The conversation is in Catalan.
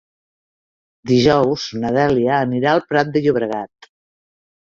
Dijous na Dèlia anirà al Prat de Llobregat.